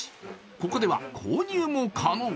ここでは、購入も可能。